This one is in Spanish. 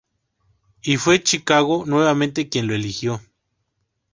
Y fue Chicago nuevamente quien lo eligió.